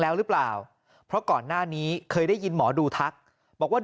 แล้วหรือเปล่าเพราะก่อนหน้านี้เคยได้ยินหมอดูทักบอกว่า